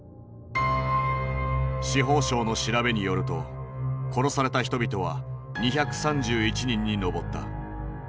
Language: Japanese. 司法省の調べによると殺された人々は２３１人に上った。